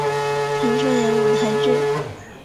曾演出舞台剧。